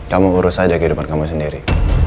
kamu urus saja kehidupan kamu sendiri